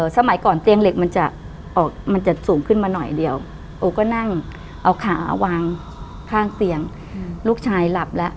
สมัยก่อนเตียงเหล็กมันจะออกมันจะสูงขึ้นมาหน่อยเดียวโอก็นั่งเอาขาวางข้างเตียงลูกชายหลับแล้ว